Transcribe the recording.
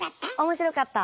面白かった！